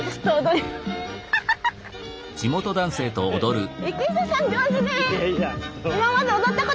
いやいや。